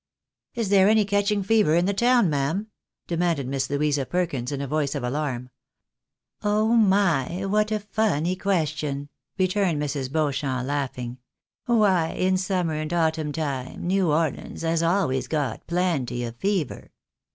" Is there any catching fever in the town, ma'am ?" demanded Miss Louisa Perkins, in a voice of alarm. " Oh my ! what a funny question," re'urned Mrs. Beauchamp, laughing. " Why in summer and autumn time, New Orleans has always got plenty of fever."